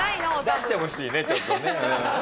出してほしいねちょっとね。